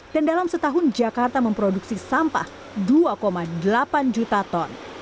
dan dalam setahun jakarta memproduksi sampah dua delapan juta ton